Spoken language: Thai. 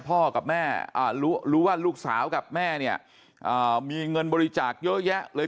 พ่อกับแม่รู้ว่าลูกสาวกับแม่เนี่ยมีเงินบริจาคเยอะแยะเลย